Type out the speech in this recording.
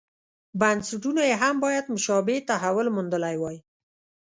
بنسټونو یې هم باید مشابه تحول موندلی وای.